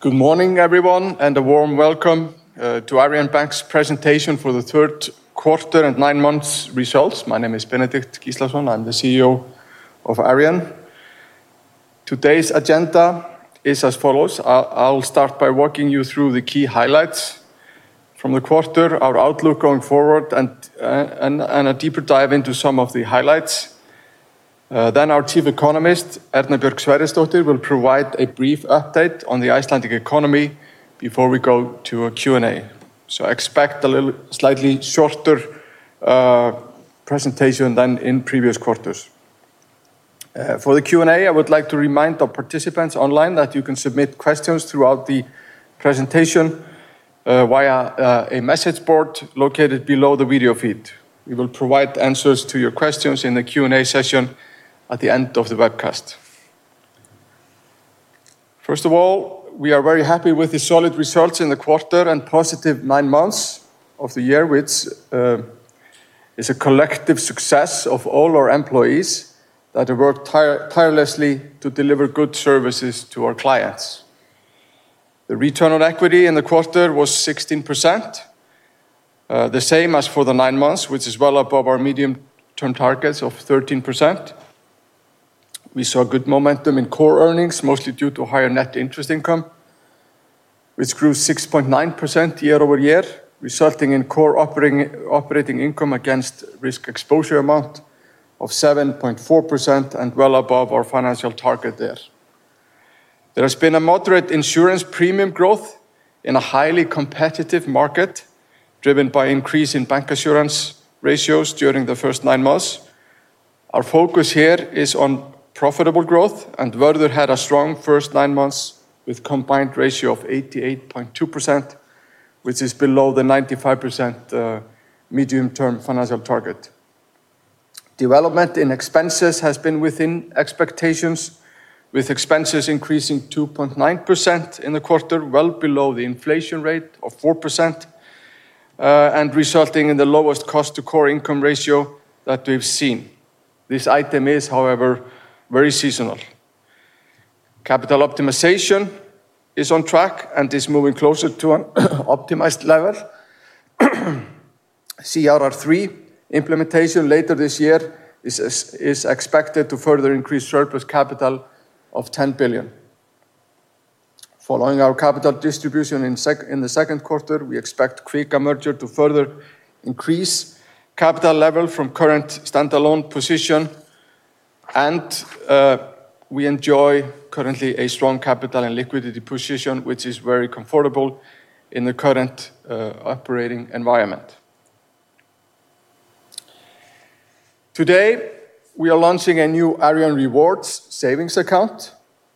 Good morning everyone and a warm welcome to Arion banki presentation for the third quarter and nine months results. My name is Benedikt Gislason, I'm the CEO of Arion. Today's agenda is as follows. I'll start by walking you through the key highlights from the quarter, our outlook going forward, and a deeper dive into some of the highlights. Then our Chief Economist Erna Bjorg Sverrisdottir will provide a brief update on the Icelandic economy before we go to a Q and A, so expect a slightly shorter presentation than in previous quarters for the Q and A. I would like to remind our participants online that you can submit questions throughout the presentation via a message board located below the video feed. We will provide answers to your questions in the Q and A session at the end of the webcast. First of all, we are very happy with the solid results in the quarter and positive nine months of the year, which is a collective success of all our employees that have worked tirelessly to deliver good services to our clients. The return on equity in the quarter was 16%, the same as for the nine months, which is well above our medium term targets of 13%. We saw good momentum in core earnings mostly due to higher net interest income, which grew 6.9% year-over-year, resulting in core operating income against risk exposure amount of 7.4% and well above our financial target there. There has been a moderate insurance premium growth in a highly competitive market driven by increase in bancassurance ratios during the first nine months. Our focus here is on profitable growth and Vörður had a strong first nine months with combined ratio of 88.2%, which is below the 95% medium term financial target. Development in expenses has been within expectations with expenses increasing 2.9% in the quarter, well below the inflation rate of 4% and resulting in the lowest cost to core income ratio that we've seen. This item is however very seasonal. Capital optimization is on track and is moving closer to an optimized level. CRR3 implementation later this year is expected to further increase surplus capital of 10 billion following our capital distribution in the second quarter. We expect Kvika merger to further increase capital level from current standalone position and we enjoy currently a strong capital and liquidity position, which is very comfortable in the current operating environment. Today we are launching a new Arion Rewards Savings account.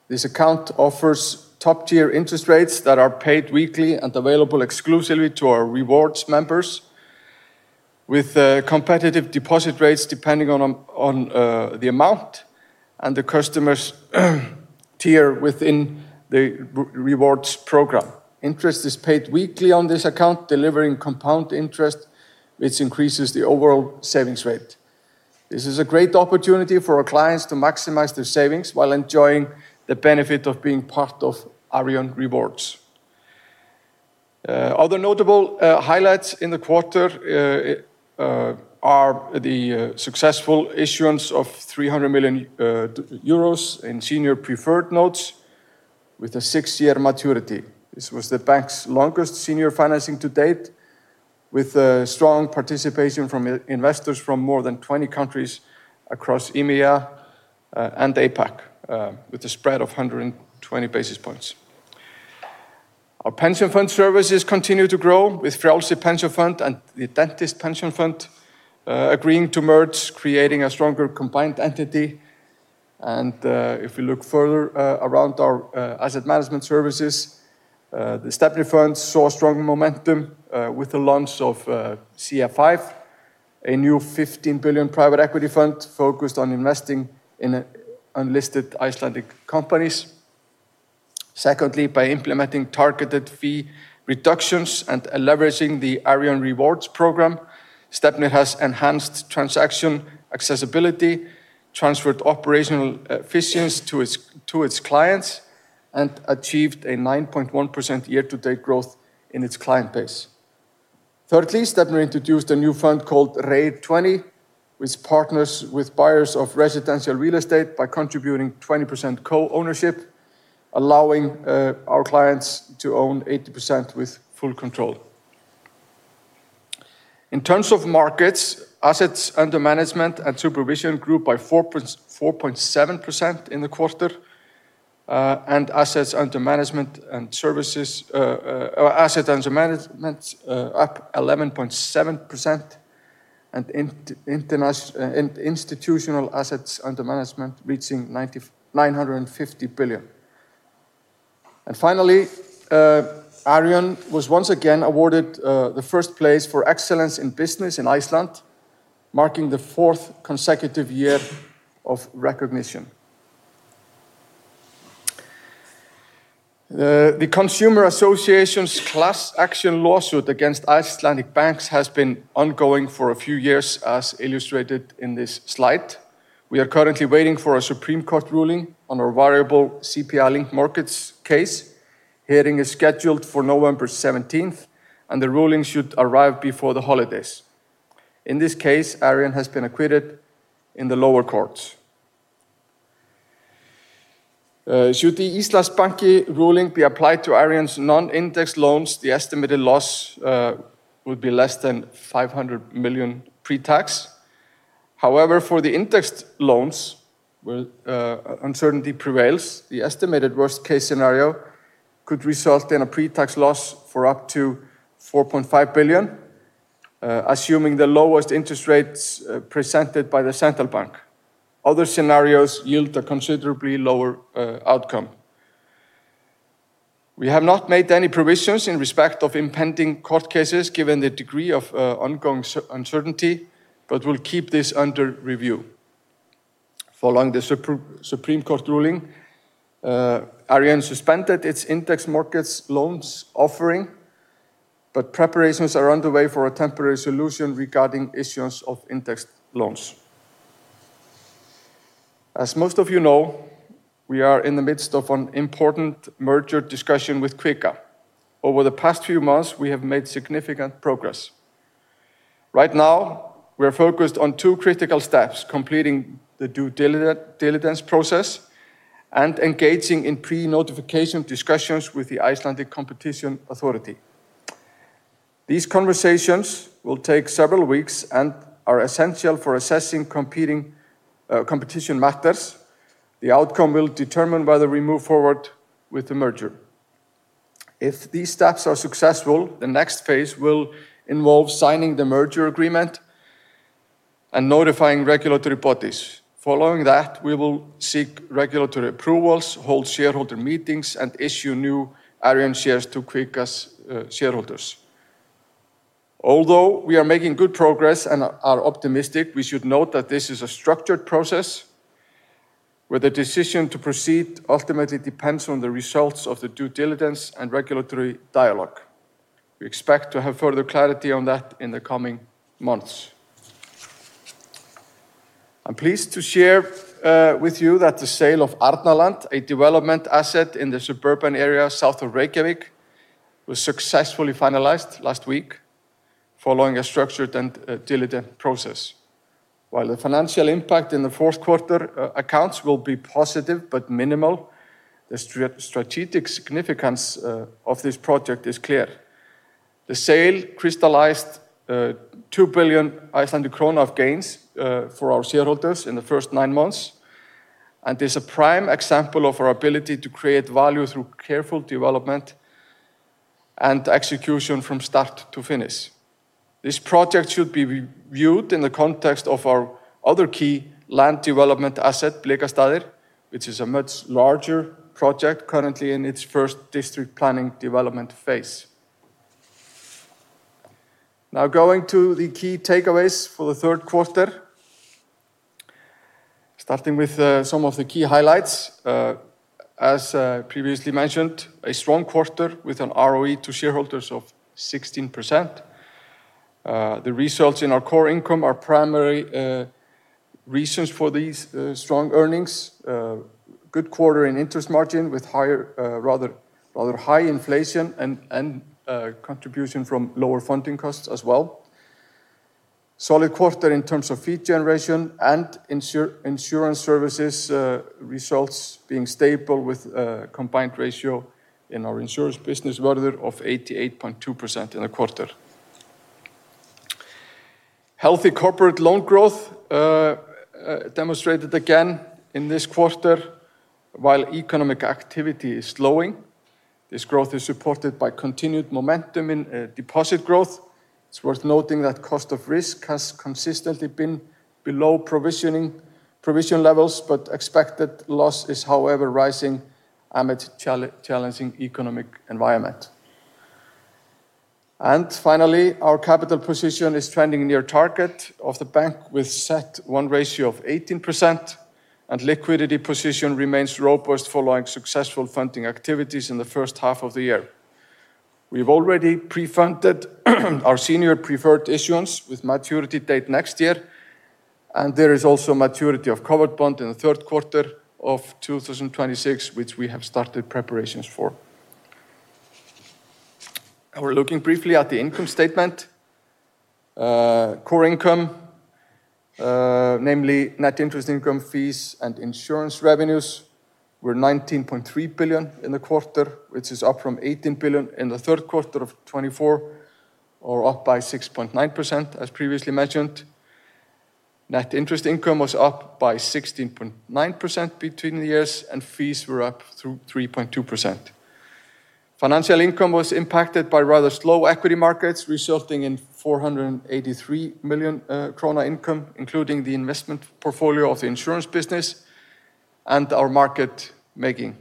This account offers top tier interest rates that are paid weekly and available exclusively to our rewards members with competitive deposit rates depending on the amount and the customer's tier within the rewards program. Interest is paid weekly on this account, delivering compound interest which increases the overall savings rate. This is a great opportunity for our clients to maximize their savings while enjoying the benefit of being part of Arion Rewards. Other notable highlights in the quarter. The successful issuance of 300 million euros in senior preferred notes with a six-year maturity. This was the bank's longest senior financing to date, with strong participation from investors from more than 20 countries across EMEA and APAC, with a spread of 120 basis points. Our pension fund services continue to grow, with FR Pension Fund and the Dentists’ Pension Fund agreeing to merge, creating a stronger combined entity. If we look further around our asset management services, Stefnir saw strong momentum with the launch of CF5, a new 15 billion private equity fund focused on investing in unlisted Icelandic companies. Secondly, by implementing targeted fee reductions and leveraging the Arion Rewards program, Stefnir has enhanced transaction accessibility, transferred operational efficiency to its clients, and achieved a 9.1% year-to-date growth in its client base. Thirdly, Stefnir introduced a new fund called RAID20, which partners with buyers of residential real estate by contributing 20% co-ownership, allowing our clients to own 80% with full control. In terms of markets, assets under management and supervision grew by 4.7% in the quarter, and assets under management and services assets under management up 11.7%, and institutional assets under management reaching 950 billion. Finally, Arion was once again awarded first place for excellence in business in Iceland, marking the fourth consecutive year of recognition. The Consumer Association's class action lawsuit against Icelandic banks has been ongoing for a few years, as illustrated in this slide. We are currently waiting for a Supreme Court ruling on our variable CPI-linked mortgages case. The hearing is scheduled for November 17, and the ruling should arrive before the holidays. In this case, Arion. has been acquitted in the lower courts. Should the Íslandsbanki ruling be applied to Arion non-indexed loans, the estimated loss would be less than 500 million pre-tax. However, for the indexed loans where uncertainty prevails, the estimated worst-case scenario could result in a pre-tax loss of up to 4.5 billion, assuming the lowest interest rates presented by the Central Bank. Other scenarios yield a considerably lower outcome. We have not made any provisions in respect of impending court cases given the degree of ongoing uncertainty, but we'll keep this under review. Following the Supreme Court ruling, Arion banki hf. suspended its CPI-linked mortgages loans offering, but preparations are underway for a temporary solution regarding issuance of CPI-linked loans. As most of you know, we are in the midst of an important merger discussion with Kvika. Over the past few months, we have made significant progress. Right now, we are focused on two critical steps: completing the due diligence process and engaging in pre-notification discussions with the Icelandic Competition Authority. These conversations will take several weeks and are essential for assessing competition matters. The outcome will determine whether we move forward with the merger. If these steps are successful, the next phase will involve signing the merger agreement and notifying regulatory bodies. Following that, we will seek regulatory approvals, hold shareholder meetings, and issue new Arion banki hf. shares to Kvika shareholders. Although we are making good progress and are optimistic, we should note that this is a structured process where the decision to proceed ultimately depends on the results of the due diligence and regulatory dialogue. We expect to have further clarity on that in the coming months. I'm pleased to share with you that the sale of Artnaland, a development asset in the suburban area south of Reykjavík, was successfully finalized last week following a structured and diligent process. While the financial impact in the fourth quarter accounts will be positive but minimal, the strategic significance of this project is clear. The sale crystallized 2 billion Icelandic krona of gains for our shareholders in the first nine months and is a prime example of our ability to create value through careful development and execution from start to finish. This project should be viewed in the context of our other key land development asset, Blekastaðir, which is a much larger project currently in its first district planning development phase. Now going to the key takeaways for the third quarter, starting with some of the key highlights. As previously mentioned, a strong quarter with a return on equity to shareholders of 16%. The results in our core income are primary reasons for these strong earnings. Good quarter in interest margin with rather high inflation and contribution from lower funding costs as well. Solid quarter in terms of fee generation and insurance services, results being stable with combined ratio in our insurance business of 88.2% in a quarter. Healthy corporate loan growth demonstrated again in this quarter while economic activity is slowing. This growth is supported by continued momentum in deposit growth. It's worth noting that cost of risk has consistently been below provision levels, but expected loss is however rising amid challenging economic environment. Finally, our capital position is trending near target of the bank with CET1 ratio of 18% and liquidity position remains robust following successful funding activities in the first half of the year. We've already pre-funded our senior preferred issuance with maturity date next year, and there is also maturity of covered bond in the third quarter of 2026, which we have started preparations for. Looking briefly at the income statement, core income, namely net interest income, fees, and insurance revenues, were 19.3 billion in the quarter, which is up from 18 billion in Q3 2024, or up by 6.9%. As previously mentioned, net interest income was up by 16.9% between the years and fees were up 3.2%. Financial income was impacted by rather slow equity markets, resulting in 483 million krona income, including the investment portfolio of the insurance business and our market making.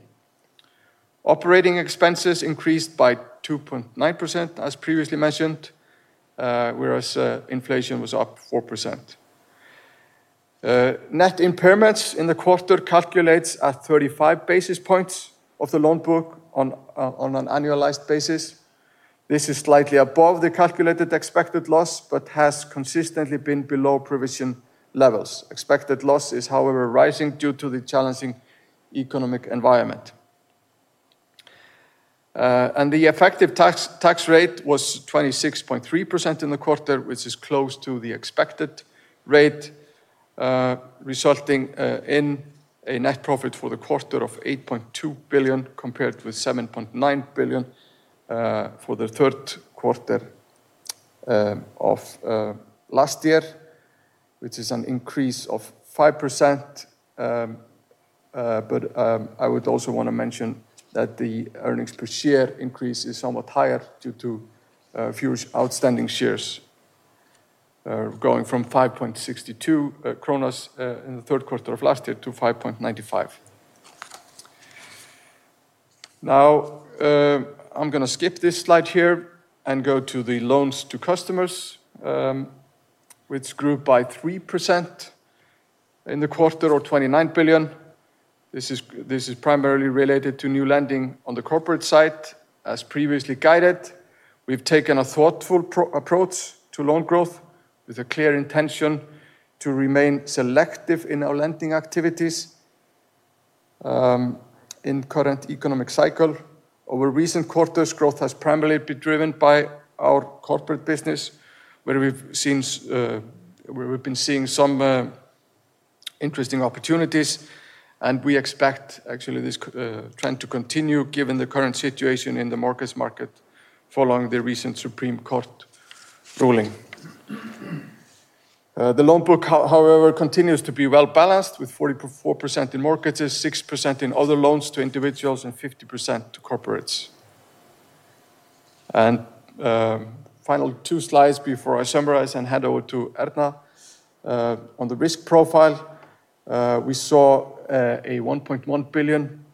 Operating expenses increased by 2.9% as previously mentioned, whereas inflation was up 4%. Net impairments in the quarter calculates at 35 basis points of the loan book on an annualized basis. This is slightly above the calculated expected loss, but has consistently been below provision levels. Expected loss is however rising due to the challenging economic environment, and the effective tax rate was 26.3% in the quarter, which is close to the expected rate, resulting in a net profit for the quarter of 8.2 billion, compared with 7.9 billion for the third quarter of last year, which is an increase of 5%. I would also want to mention that the earnings per share increase is somewhat higher due to few outstanding shares, going from 5.62 in the third quarter of last year to 5.95 now. I'm going to skip this slide here and go to the loans to customers, which grew by 3% in the quarter or 29 billion. This is primarily related to new lending on the corporate side. As previously guided, we've taken a thoughtful approach to loan growth with a clear intention to remain selective in our lending activities in current economic cycle. Over recent quarters, growth has primarily been driven by our corporate business where we've been seeing some interesting opportunities, and we expect actually this trend to continue given the current situation in the mortgage market following the recent Supreme Court ruling. The loan book, however, continues to be well balanced with 44% in mortgages, 6% in other loans to individuals, and 50% to corporates. Final two slides before I summarize and head over to Erna on the risk profile: we saw a 1.1 billion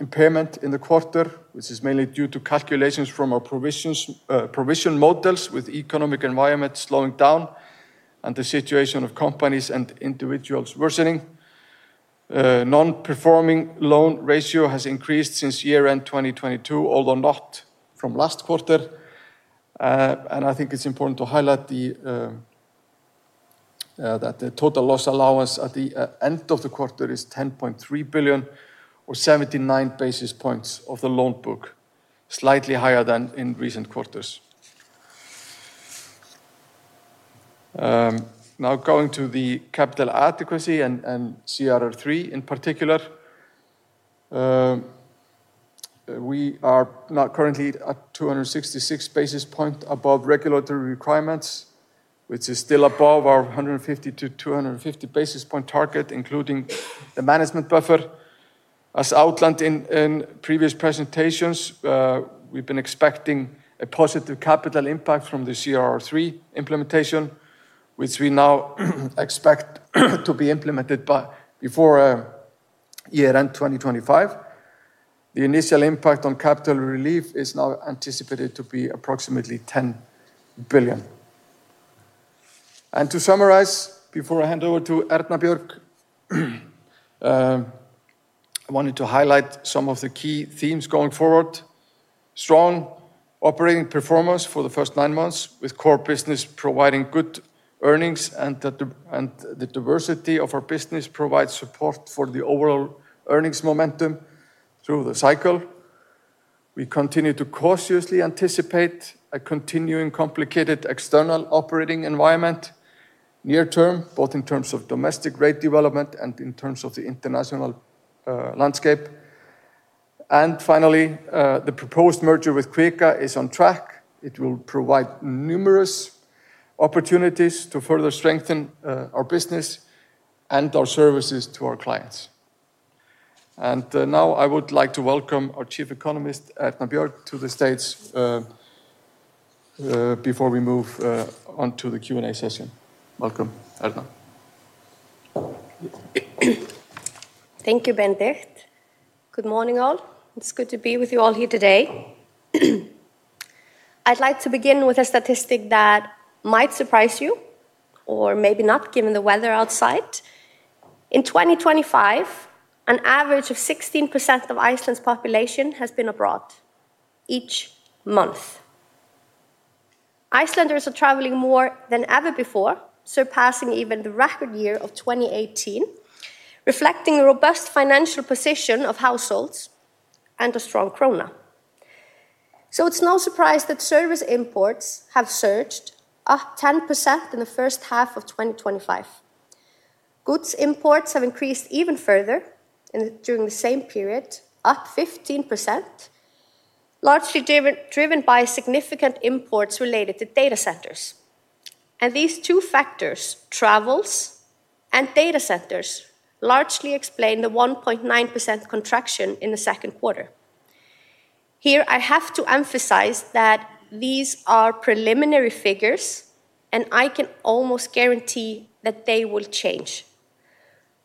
impairment in the quarter, which is mainly due to calculations from our provision models. With the economic environment slowing down and the situation of companies and individuals worsening, non-performing loan ratio has increased since year end 2022, although not from last quarter. I think it's important to highlight that the total loss allowance at the end of the quarter is 10.3 billion or 79 basis points of the loan book, slightly higher than in recent quarters. Now going to the capital adequacy and CRR3. In particular, we are now currently at 266 basis points above regulatory requirements, which is still above our 150 to 250 basis point target, including the management buffer as outlined in previous presentations. We've been expecting a positive capital impact from the CRR3 implementation, which we now expect to be implemented before year end 2025. The initial impact on capital relief is now anticipated to be approximately 10 billion. To summarize, before I hand over to Erna, I wanted to highlight some of the key themes going forward. Strong operating performance for the first nine months with core business providing good earnings, and the diversity of our business provides support for the overall earnings momentum through the cycle. We continue to cautiously anticipate a continuing complicated external operating environment near term, both in terms of domestic rate development and in terms of the international landscape. Finally, the proposed merger with Kvika is on track. It will provide numerous opportunities to further strengthen our business and our services to our clients. Now I would like to welcome our Chief Economist, Erna Bjorg Sverrisdottir, to the stage before we move on to the Q and A session. Welcome. Thank you. Benedikt Gislason. Good morning all. It's good to be with you all here today. I'd like to begin with a statistic that might surprise you, or maybe not, given the weather outside. In 2025, an average of 16% of Iceland's population has been abroad. Each month, Icelanders are traveling more than ever before, surpassing even the record year of 2018, reflecting the robust financial position of households and a strong krona. It's no surprise that service imports have surged up 10% in the first half of 2025. Goods imports have increased even further during the same period, up 15%, largely driven by significant imports related to data centers. These two factors, travels and data centers, largely explain the 1.9% contraction in the second quarter. Here I have to emphasize that these are preliminary figures and I can almost guarantee that they will change.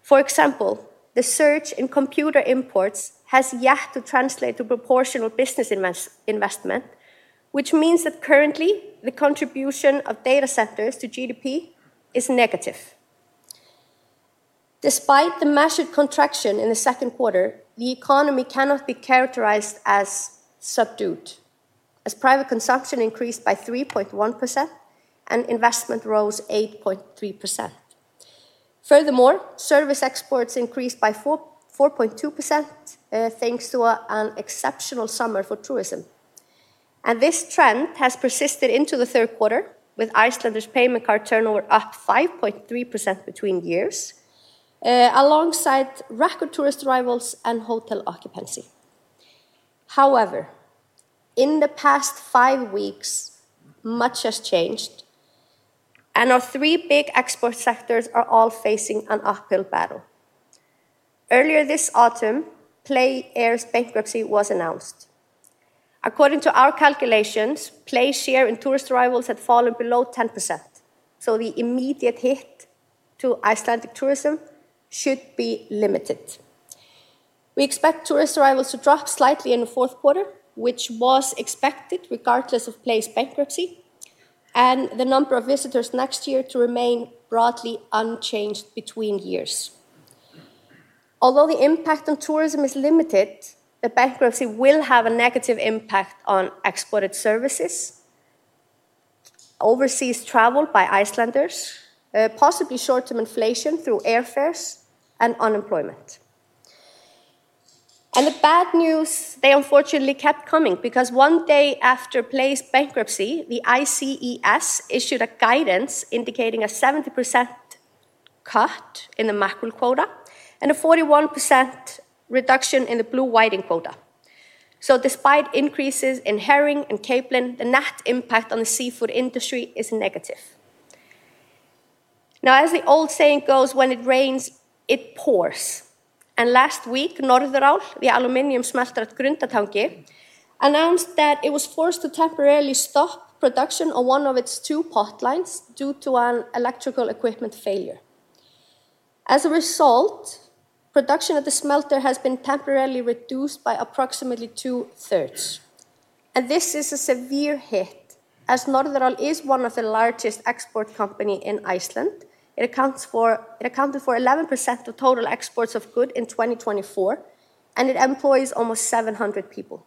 For example, the surge in computer imports has yet to translate to proportional business investment, which means that currently the contribution of data centers to GDP is negative. Despite the measured contraction in the second quarter, the economy cannot be characterized as subdued, as private consumption increased by 3.1% and investment rose 8.3%. Furthermore, service exports increased by 4.2%, thanks to an exceptional summer for tourism. This trend has persisted into the third quarter, with Icelanders' payment card turnover up 5.3% between years, alongside record tourist arrivals and hotel occupancy. However, in the past five weeks much has changed and our three big export sectors are all facing an uphill battle. Earlier this autumn, PLAY Air's bankruptcy was announced. According to our calculations, PLAY share in tourist arrivals had fallen below 10%, so the immediate hit to Icelandic tourism should be limited. We expect tourist arrivals to drop slightly in the fourth quarter, which was expected regardless of PLAY bankruptcy, and the number of visitors next year to remain broadly unchanged between years. Although the impact on tourism is limited, the bankruptcy will have a negative impact on exported services, overseas travel by Icelanders, possibly short-term inflation through airfares, and unemployment. The bad news unfortunately kept coming because one day after PLAY Air's bankruptcy, the ICES issued a guidance indicating a 70% cut in the mackerel quota and a 41% reduction in the blue whiting quota. Despite increases in herring and capelin, the net impact on the seafood industry is negative. As the old saying goes, when it rains, it pours. Last week, Norðurál, the aluminium smelter at Grundartangi, announced that it was forced to temporarily stop production on one of its two pot lines due to an electrical equipment failure. As a result, production of the smelter has been temporarily reduced by approximately 2/3. This is a severe hit as Norðurál is one of the largest export companies in Iceland. It accounted for 11% of total exports of goods in 2024 and it employs almost 700 people.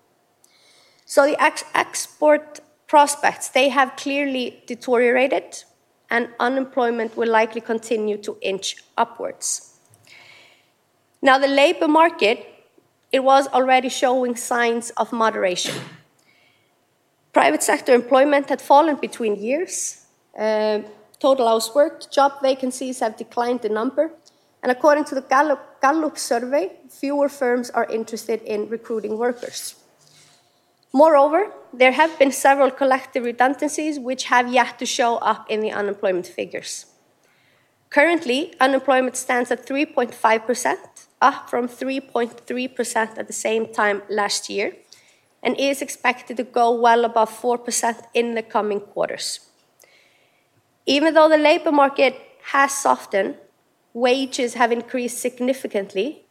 The export prospects have clearly deteriorated and unemployment will likely continue to inch upwards. The labor market was already showing signs of moderation. Private sector employment had fallen between years. Total housework job vacancies have declined in number, and according to the Gallup survey, fewer firms are interested in recruiting workers. Moreover, there have been several collective redundancies which have yet to show up in the unemployment figures. Currently, unemployment stands at 3.5%, up from 3.3% at the same time last year, and is expected to go well above 4% in the coming quarters. Even though the labor market has softened, wages have increased significantly,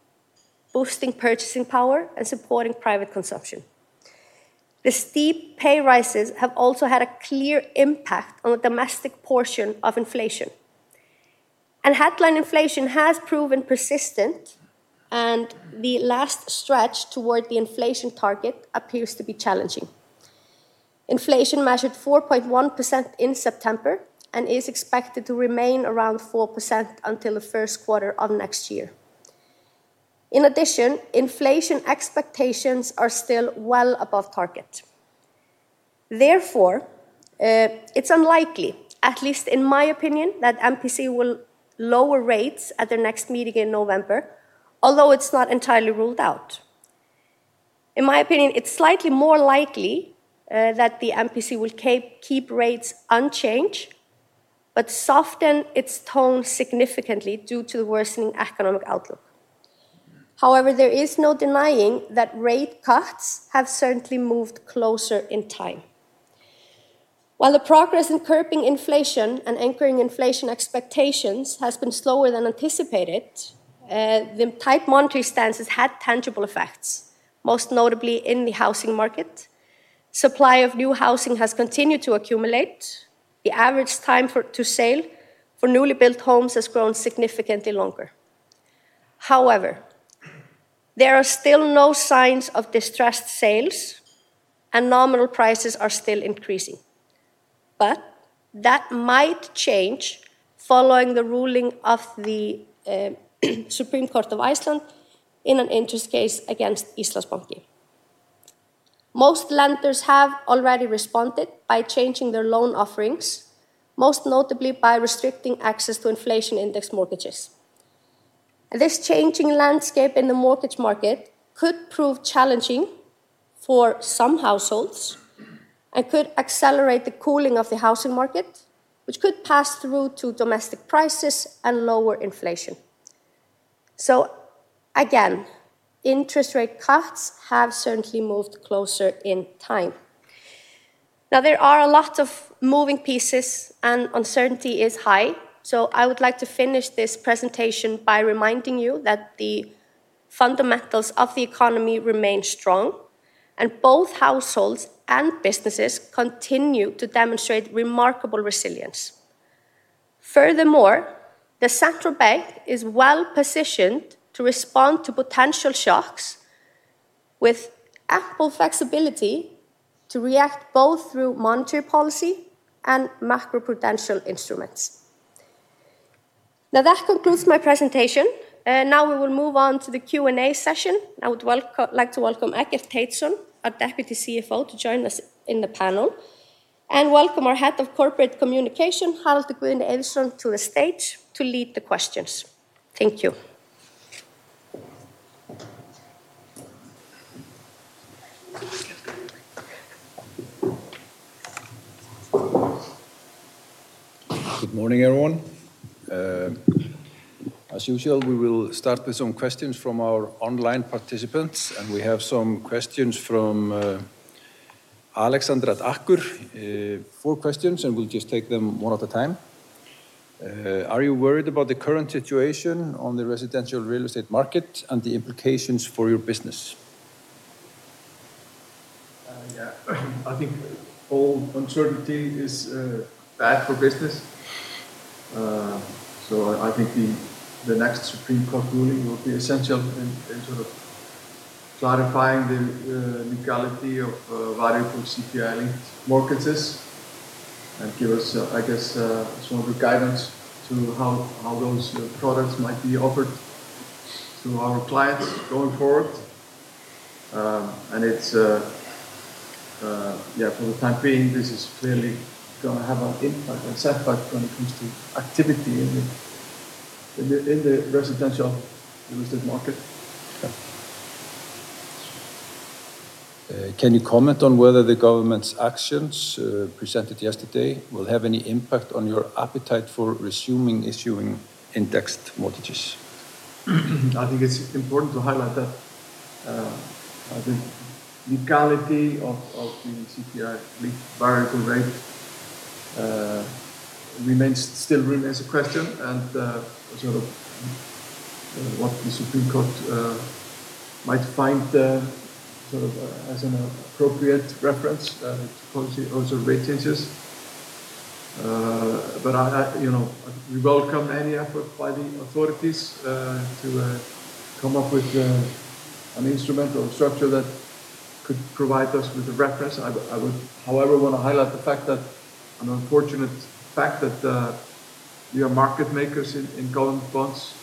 boosting purchasing power and supporting private consumption. The steep pay rises have also had a clear impact on the domestic portion of inflation. Headline inflation has proven persistent and the last stretch toward the inflation target appears to be challenging. Inflation measured 4.1% in September and is expected to remain around 4% until the first quarter of next year. In addition, inflation expectations are still well above target. Therefore, it's unlikely, at least in my opinion, that the MPC will lower rates at their next meeting in November. Although it's not entirely ruled out, in my opinion, it's slightly more likely that the MPC will keep rates unchanged but soften its tone significantly due to the worsening economic outlook. However, there is no denying that rate cuts have certainly moved closer in time. While the progress in curbing inflation and anchoring inflation expectations has been slower than anticipated, the tight monetary stance has had tangible effects, most notably in the housing market. Supply of new housing has continued to accumulate. The average time to sale for newly built homes has grown significantly longer. However, there are still no signs of distressed sales and nominal prices are still increasing. That might change following the ruling of the Supreme Court of Iceland in an interest case against Arion banki. Most lenders have already responded by changing their loan offerings, most notably by restricting access to CPI-linked mortgages. This changing landscape in the mortgage market could prove challenging for some households and could accelerate the cooling of the housing market, which could pass through to domestic prices and lower inflation. Interest rate cuts have certainly moved closer in time. There are a lot of moving pieces and uncertainty is high. I would like to finish this presentation by reminding you that the fundamentals of the economy remain strong and both households and businesses continue to demonstrate remarkable resilience. Furthermore, the Central Bank is well positioned to respond to potential shocks with ample flexibility to react both through monetary policy and macroprudential instruments. That concludes my presentation. We will move on to the Q and A session. I would like to welcome Eike Tietz, our Deputy CFO, to join us in the panel and welcome our Head of Corporate Communication, Charles de Guigné Eiríksson, to the stage to lead the questions. Thank you. Good morning everyone. As usual, we will start with some questions from our online participants, and we have some questions from Alexandra. Four questions, and we'll just take them one at a time. Are you worried about the current situation on the residential real estate market and the implications for your business? I think all uncertainty is bad for business. I think the next Supreme Court ruling will be essential in sort of clarifying the legality of variable CPI-linked. Mortgages and give us, I guess, some of the guidance to how those products might be offered to our clients going forward. For the time being, this is clearly going to have an impact and setback when it comes to activity in the residential real estate market. Can you comment on whether the government's actions presented yesterday will have any impact on your appetite for resuming issuing CPI-linked mortgages? I think it's important to highlight that the legality of the CPI variable rate still remains a question, and what the Supreme Court might find as an appropriate reference topology, also rate tensors. We welcome any effort by the authorities to come up with an instrument or structure that could provide us with a reference. I would, however, want to highlight the fact that we are market makers in government funds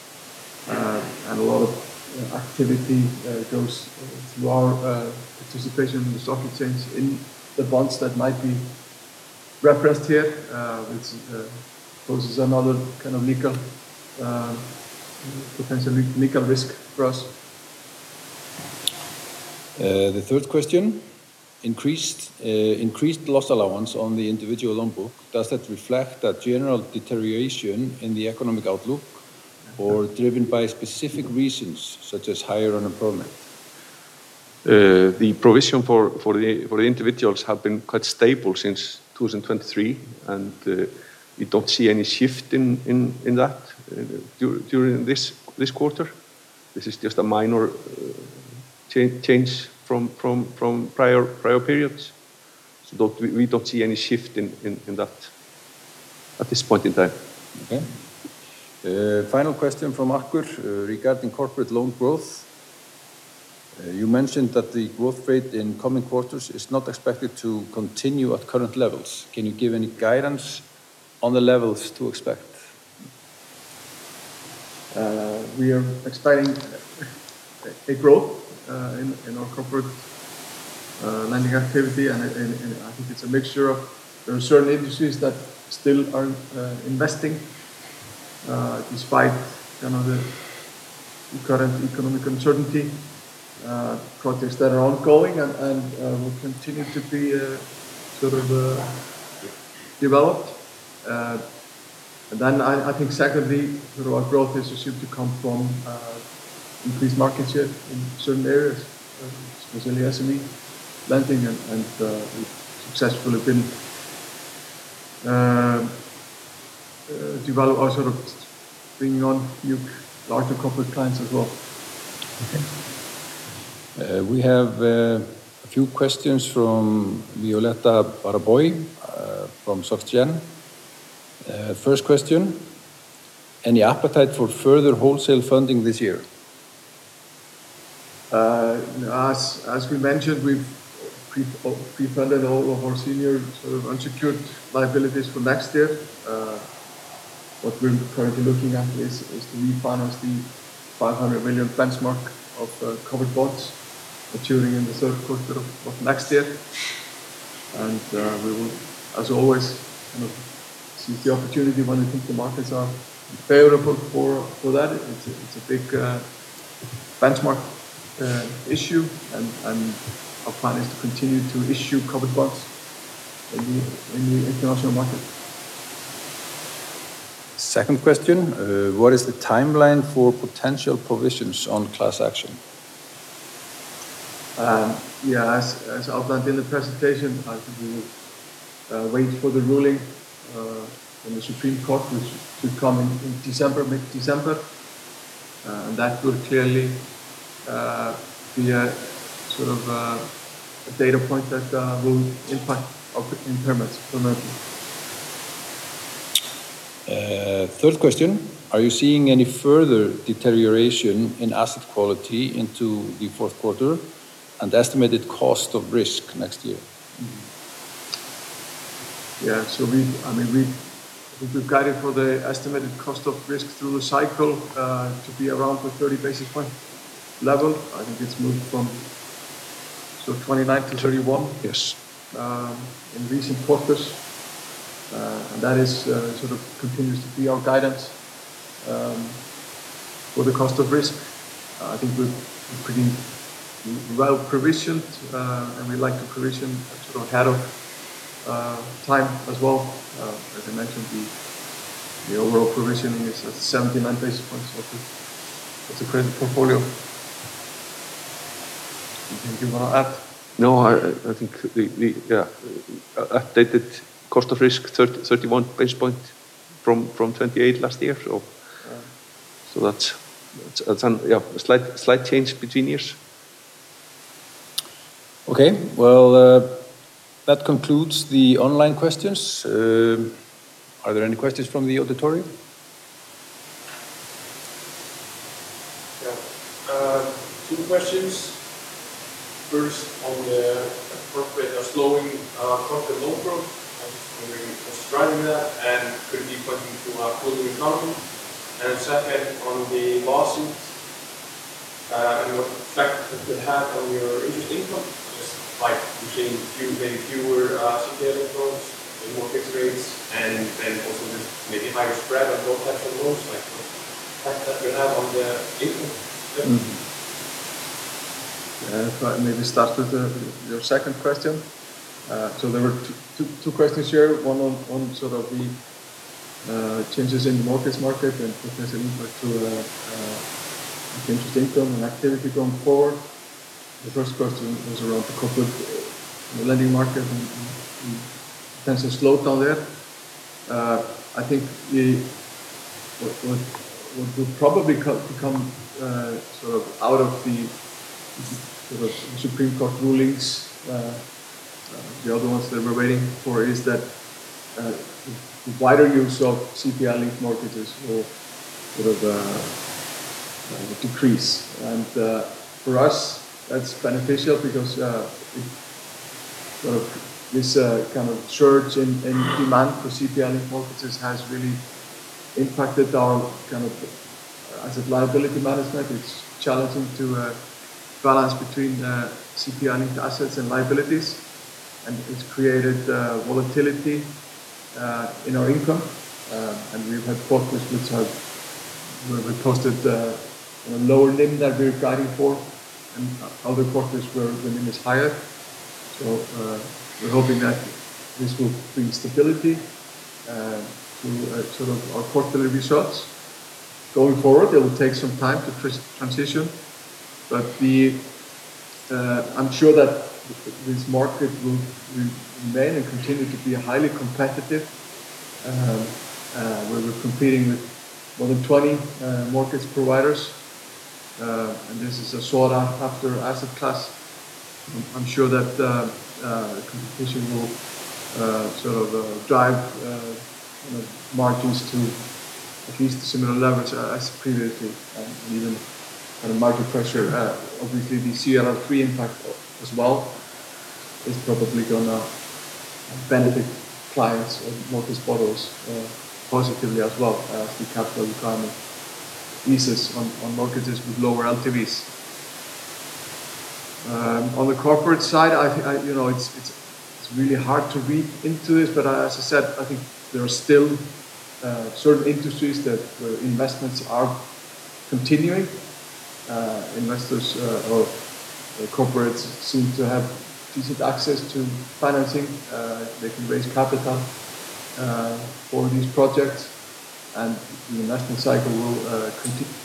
and a lot of activity goes through our participation in the stock exchange in the bonds that might be referenced here, which poses another kind of potential risk for us. The third question, increased loss allowance on the individual loan book. Does that reflect that general deterioration in the economic outlook, or is it driven by specific reasons such as higher unemployment? The provision for the individuals has been quite stable since 2023, and we don't see any shift in that during this quarter. This is just a minor change from prior periods, so we don't see any shift in that at this point in time. Final question from Akur regarding corporate loan growth. You mentioned that the growth rate in coming quarters is not expected to continue at current levels. Can you give any guidance on the levels to expect? We are expecting a growth in our corporate lending activity, and I think it's a mixture of certain industries that still are investing despite the current economic uncertainty. Projects that are ongoing will continue to be sort of developed. I think secondly our growth is to come from increased market share. Certain areas lending and successfully been. Develop sort of bringing on new larger corporate clients as well. We have a few questions from Violeta Baraboy from SofGen. First question, any appetite for further wholesale funding this year? As we mentioned, we pre-funded all of our senior unsecured liabilities for next year. What we're currently looking at is to refinance the 500 million benchmark of covered bonds maturing in the third quarter of next year. We will, as always, seize the opportunity when we think the markets are favorable for that It's a big benchmark issue, and our plan is to continue to issue covered bonds in the international market. Second question, what is the timeline for potential provisions on class action? Yes, as outlined in the presentation, I wait for the ruling in the Supreme Court, which should come in December, mid-December, and that will clearly be a sort of data point that will impact impairments permanently. Third question, are you seeing any further deterioration in asset quality into the fourth quarter and estimated cost of risk next year? Yeah, we have guided for the estimated cost of risk through the cycle to be around the 30 basis point level. I think it's moved from 29-31. In recent quarters, and that sort of continues to be our guidance. For the cost of risk. I think we're pretty well provisioned, and we like to provision ahead of time as well. As I mentioned, the overall provision is 79 basis points as a credit portfolio. Anything you want to add? No, I think updated cost of risk is 31 basis points from 28 last year. That's a slight change between years. Okay, that concludes the online questions. Are there any questions from the auditorium? Two questions. First, on the slowing corporate loan growth, what's driving that and could you put. Into a full new economy and second on the lawsuit and what effect it could have on your interest income. Just like you see maybe fewer CPI-linked mortgages, more fixed rates, and then also maybe higher spread on gold tax and loans like that you have on the default. Maybe start with your second question. There were two questions here. One on sort of the changes in the mortgage market and what has an impact to interest income and activity going forward. The first question was around the corporate lending market, potential slowdown there. I think the what will probably come out of the Supreme Court rulings, the other ones that we're waiting for, is that wider use of CPI-linked mortgages will decrease. For us that's beneficial because. This the surge in demand for CPI-linked mortgages has really impacted our asset liability management. It's challenging to balance between CPI-linked assets and liabilities, and it's created volatility in our income. We've had quarters which have posted lower NIM that we're fighting for and other quarters where the NIM is higher. We're hoping that this will bring stability to our quarterly results going forward. It will take some time to transition, but I'm sure that this market will remain and continue to be highly competitive. We're competing with more than 20 mortgage providers, and this is a sawdown after asset class. I'm sure that competition will sort of drive margins to at least similar leverage as previously, even market pressure. Obviously, the CRR3 impact as well is probably going to benefit clients or mortgage borrowers positively as well. The capital requirement eases on mortgages with lower LTVs. On the corporate side you know, it's really hard to read into this, but as I said, I think there are still certain industries that investments are continuing. Investors or corporates seem to have decent access to financing. They can raise capital for these projects and the national cycle will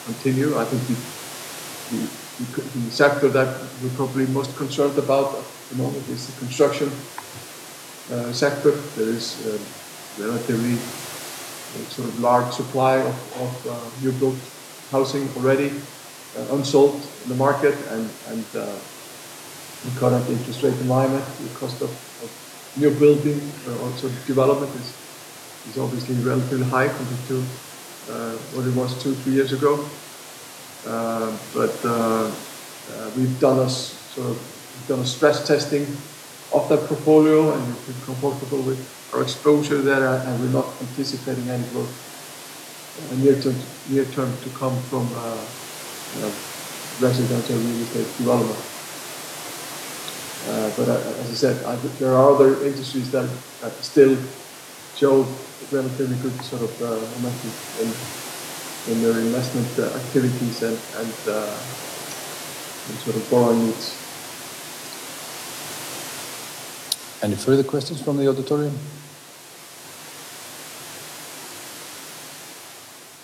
continue. I think the sector that we're probably most concerned about at the moment is the construction sector. There is relatively sort of large supply of new built housing already unsold in the market and current interest rate environment. The cost of new building, also, development is obviously relatively high compared to what it was two, three years ago. We've done a stress testing of that portfolio, and we've been comfortable with our exposure there. We're not anticipating any more near term to come from residential real estate development. As I said, there are other industries that still show relatively good sort of momentum in their investment activities and sort of borrowing needs. Any further questions from the auditorium?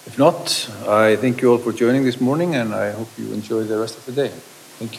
If not, I thank you all for joining this morning, and I hope you enjoy the rest of the day. Thank you.